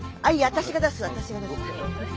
私が出す私が出す。